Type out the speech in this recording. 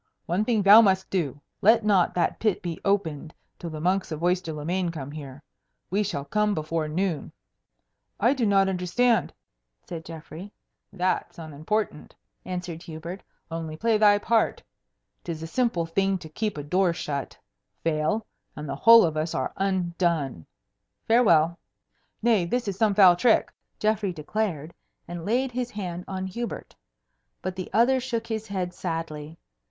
One thing thou must do. Let not that pit be opened till the monks of Oyster le Main come here. We shall come before noon." "I do not understand," said Geoffrey. [Illustration: Brother Hvbert goeth back to Oyster le Main for ye last Time] "That's unimportant," answered Hubert. "Only play thy part. 'Tis a simple thing to keep a door shut. Fail, and the whole of us are undone. Farewell." "Nay, this is some foul trick," Geoffrey declared, and laid his hand on Hubert. But the other shook his head sadly.